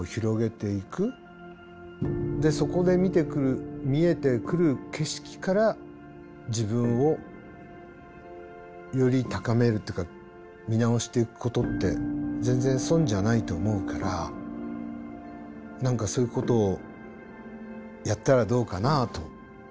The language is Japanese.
でそこで見てくる見えてくる景色から自分をより高めるっていうか見直していくことって全然損じゃないと思うから何かそういうことをやったらどうかなと思います。